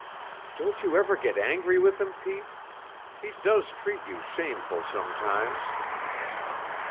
"Don't you ever get angry with him, Pete? He does treat you shameful sometimes."